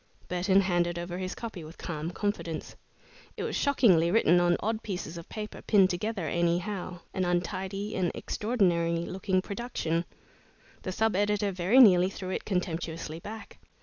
Burton handed over his copy with calm confidence. It was shockingly written on odd pieces of paper, pinned together anyhow an untidy and extraordinary looking production. The sub editor very nearly threw it contemptuously back.